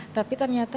tapi ternyata tidak